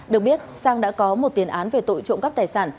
được biết sang đã có một tiền án về tội trộm cắp tài sản